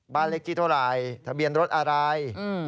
บ้านเล็กที่เท่าไหร่ทะเบียนรถอะไร